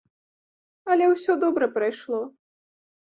Але ўсё добра прайшло.